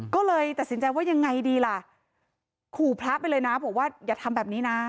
ก็เลยตัดสินใจว่ายังไงดีล่ะขู่พระไปเลยนะบอกว่าอย่าทำแบบนี้นะ